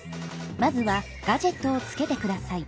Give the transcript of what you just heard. まずはガジェットをつけてください。